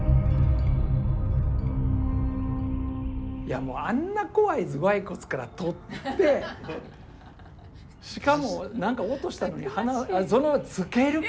いやもうあんな怖い頭蓋骨から取ってしかも何か音したのにそのままつけるか？